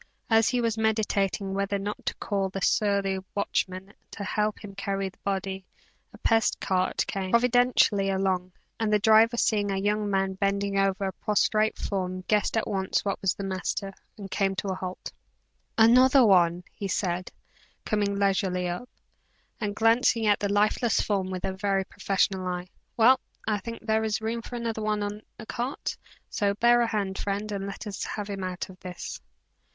As he was meditating whether or not to call the surly watchman to help him carry the body, a pest cart came, providentially, along, and the driver seeing a young man bending over a prostrate form guessed at once what was the matter, and came to a halt. "Another one!" he said, coming leisurely up, and glancing at the lifeless form with a very professional eye. "Well, I think there is room for another one in the cart; so bear a hand, friend, and let us have him out of this."